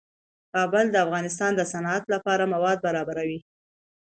کابل د افغانستان د صنعت لپاره مواد برابروي.